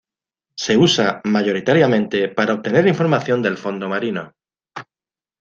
Se usa mayoritariamente para obtener información del fondo marino.